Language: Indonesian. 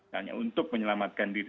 hanya untuk menyelamatkan diri